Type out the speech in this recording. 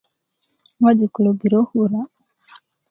ŋwajik kulo birö kura